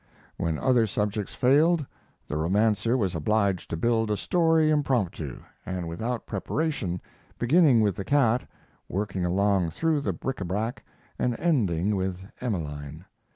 When other subjects failed, the romancer was obliged to build a story impromptu, and without preparation, beginning with the cat, working along through the bric a brac, and ending with "Emeline."